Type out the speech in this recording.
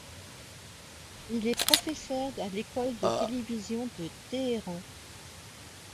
Il est professeur à l'école de télévision de Téhéran.